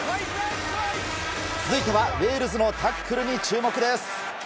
続いては、ウェールズのタックルに注目です。